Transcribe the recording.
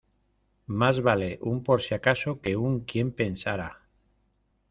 Más vale un "por si acaso" que un "quien pensara".